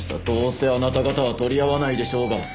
どうせあなた方は取り合わないでしょうが。